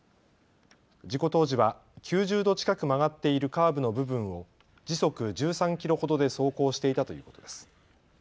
事故当時は９０度近く曲がっているカーブの部分を時速１３キロほどで走行していたということです。